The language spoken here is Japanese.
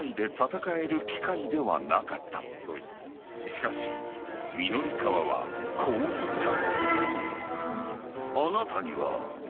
［しかし御法川はこう言った］